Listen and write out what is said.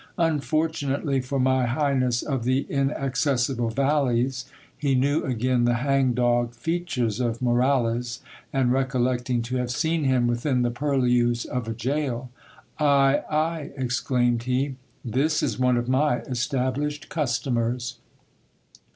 Unfortunately for my highness of the inaccessible valleys, he knew again the hang dog features of Moralez ; and recollecting to have seen him within the purlieus of a gaol, Ay, ay ! exclaimed he, this is one of my established customers.